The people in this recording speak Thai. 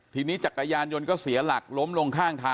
ทีนี้จักรยานยนต์ก็เสียหลักล้มลงข้างทาง